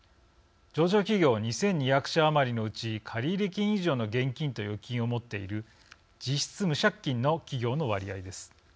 上場企業２２００社余りのうち借入金以上の現金と預金を持っている実質無借金の企業の割合です。